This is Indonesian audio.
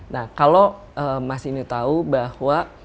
nah kalau mas inu tahu bahwa